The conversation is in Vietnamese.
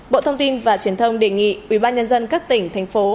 bộ thông tin và truyền thông đề nghị ubnd các tỉnh thành phố